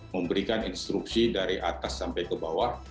memberikan instruksi dari atas sampai ke bawah